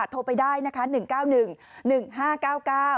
โทรไปได้นะคะ๑๙๑๑๕๙๙